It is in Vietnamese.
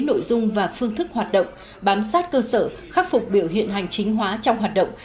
nội dung và phương thức hoạt động bám sát cơ sở khắc phục biểu hiện hành chính hóa trong hoạt động